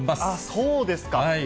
そうですか。